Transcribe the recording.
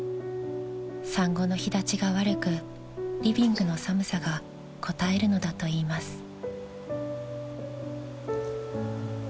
［産後の肥立ちが悪くリビングの寒さがこたえるのだといいます］